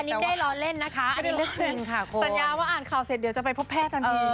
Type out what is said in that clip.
อันนี่ได้ร้อนเล่นนะคะสัญญาว่าอ่านข่าวเสร็จเดี๋ยวจะไปพบแพทย์กันพื่อก่อน